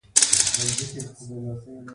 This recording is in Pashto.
هلته قبیلوي شخړې روانې وي.